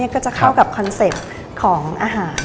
ก็จะเข้ากับคอนเซ็ปต์ของอาหาร